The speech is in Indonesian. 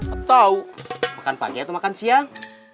atau makan pagi atau makan siang